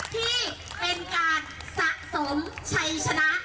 ที่เป็นการสะสมชัยชนะ